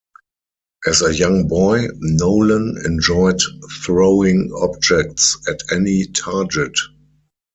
As a young boy, Nolan enjoyed throwing objects at any target.